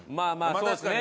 そうですね。